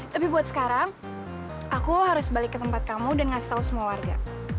tapi buat sekarang aku harus balik ke tempat kamu dan ngasih tahu semua warga